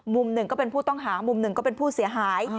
มุมหนึ่งก็เป็นผู้ต้องหามุมหนึ่งก็เป็นผู้เสียหาย